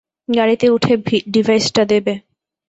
গাড়িতে উঠে ডিভাইসটা দেবে।